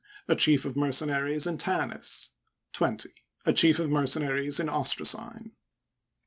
A Chief of Mercenaries in Tarns, 20. A Chief of Mercenaries in Ostracine.